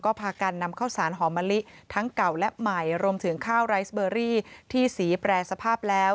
ก็พากันนำข้าวสารหอมมะลิทั้งเก่าและใหม่รวมถึงข้าวไรสเบอรี่ที่สีแปรสภาพแล้ว